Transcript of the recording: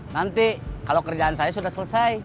nanti kalau kerjaan saya sudah selesai